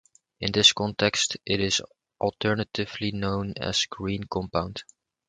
In this context it is alternatively known as "green compound".